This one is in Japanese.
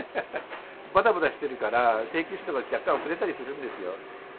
ばたばたしてるから、請求書とか、若干遅れたりするんですよ。